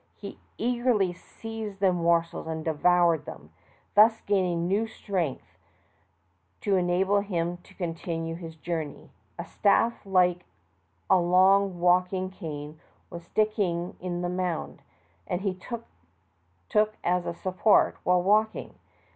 He eagerly seized the morsels and devoured them, thus gaining new strength to enable him to con tinue his journey. A staff like a long walking cane was sticking in the mound, and this he took as a support while walking.